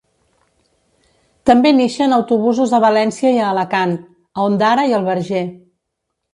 També n'ixen autobusos a València i a Alacant, a Ondara i al Verger.